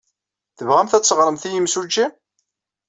Tebɣamt ad teɣremt i yimsujji?